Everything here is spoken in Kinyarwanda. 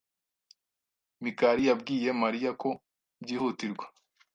Mikali yabwiye Mariya ko byihutirwa.